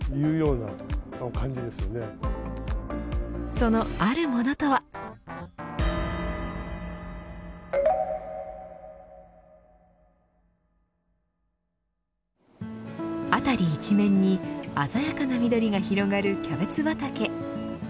その、あるものとは。辺り一面に鮮やかな緑が広がるキャベツ畑。